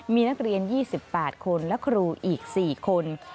มีนักเรียน๒๘คนและครูอีก๔คน